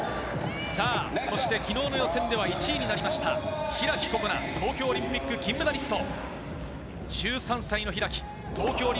そして昨日の予選では１位になりました開心那、東京オリンピック銀メダリスト。